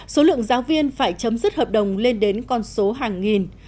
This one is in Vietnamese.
số lượng giáo viên phải chấm dứt hợp đồng lên đến con số hàng nghìn